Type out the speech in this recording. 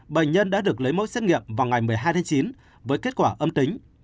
bệnh nhân đã được lấy mẫu xét nghiệm vào ngày một mươi hai tháng chín với kết quả âm tính